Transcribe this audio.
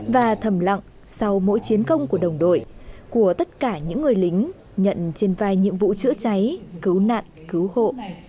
và thầm lặng sau mỗi chiến công của đồng đội của tất cả những người lính nhận trên vai nhiệm vụ chữa cháy cứu nạn cứu hộ